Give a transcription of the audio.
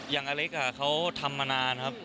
อเล็กเขาทำมานานครับ